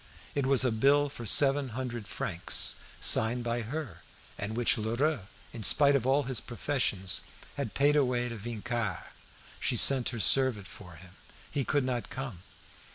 It was a bill for seven hundred francs, signed by her, and which Lheureux, in spite of all his professions, had paid away to Vincart. She sent her servant for him. He could not come.